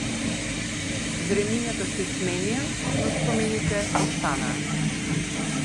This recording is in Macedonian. Времињата се сменија но спомените останаа.